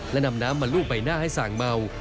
และนำน้ำมารูปเป็นหน้าให้ส่างเมา